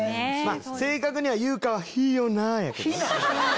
正確には「優香はひいよなぁ」やけどな。